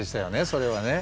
それはね。